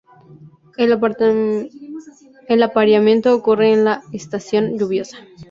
El apareamiento ocurre en la estación lluviosa.